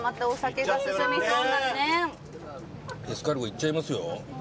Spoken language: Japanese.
エスカルゴいっちゃいますよ。